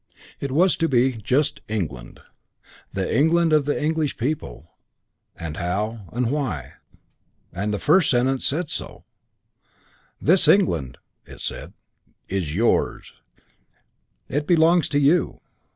It was to be just "England"; the England of the English people and how and why. And the first sentence said so. "This England" (it said) "is yours. It belongs to you.